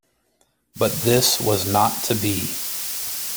But this was not to be.